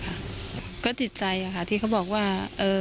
คือติดใจเหรอค่ะเขาบอกว่า